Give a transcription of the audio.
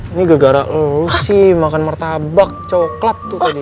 ini gak gara lo sih makan martabak coklat tuh tadi